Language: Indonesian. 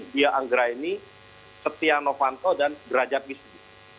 bia anggraini setia novanto dan brajad miswi